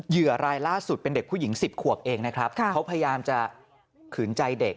รายล่าสุดเป็นเด็กผู้หญิง๑๐ขวบเองนะครับเขาพยายามจะขืนใจเด็ก